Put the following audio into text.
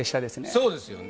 そうですよね